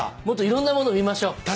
もっと色んなもの見ましょう